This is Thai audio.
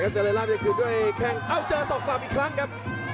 จริงลาบยังคืนด้วยแค่งเอ้าเจอสอกกลับอีกครั้งครับ